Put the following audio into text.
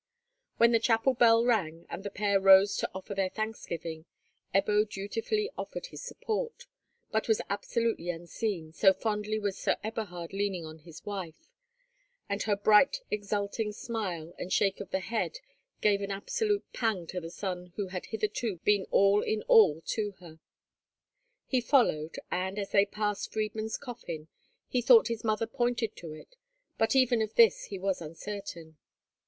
When the chapel bell rang, and the pair rose to offer their thanksgiving, Ebbo dutifully offered his support, but was absolutely unseen, so fondly was Sir Eberhard leaning on his wife; and her bright exulting smile and shake of the head gave an absolute pang to the son who had hitherto been all in all to her. He followed, and, as they passed Friedmund's coffin, he thought his mother pointed to it, but even of this he was uncertain.